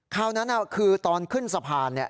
คราวนั้นคือตอนขึ้นสะพาน